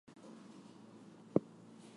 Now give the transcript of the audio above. This was the only East German gay rights film.